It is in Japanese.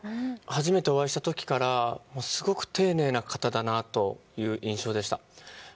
初めてお会いした時からすごく丁寧な方だなという印象でした。